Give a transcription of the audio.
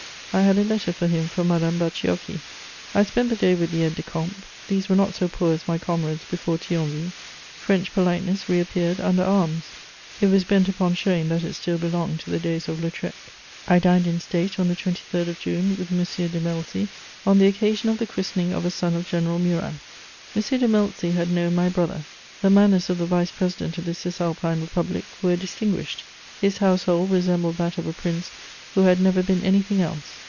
I had a letter for him from Madame Bacciochi. I spent the day with the aides de camp; these were not so poor as my comrades before Thionville. French politeness reappeared under arms; it was bent upon showing that it still belonged to the days of Lautrec. I dined in state, on the 23rd of June, with M. de Melzi, on the occasion of the christening of a son of General Murat. M. de Melzi had known my brother; the manners of the Vice President of the Cisalpine Republic were distinguished; his household resembled that of a prince who had never been anything else.